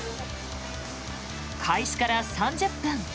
開始から３０分。